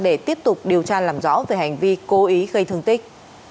để tiếp tục điều tra làm rõ về hành vi cố ý gây thương tích